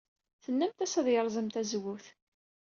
Tennamt-as ad yerẓem tazewwut.